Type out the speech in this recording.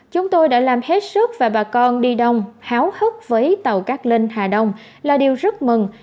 chúng tôi đã làm hết sức và bà con đi đông háo hức với tàu cát linh hà đông là điều rất mừng